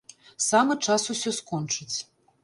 Самы час усё скончыць.